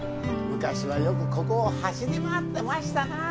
昔はよくここを走り回ってましたな